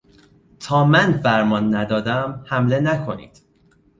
تا من فرمان ندادهام حمله نکنید!